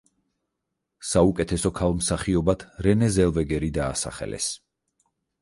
საუკეთესო ქალ მსახიობად რენე ზელვეგერი დაასახელეს.